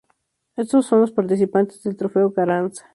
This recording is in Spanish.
Estos son los participantes del Trofeo Carranza.